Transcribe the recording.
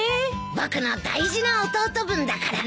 僕の大事な弟分だからね。